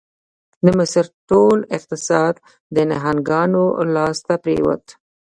د مصر ټول اقتصاد د نهنګانو لاس ته پرېوت.